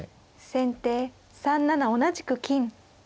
先手３七同じく金。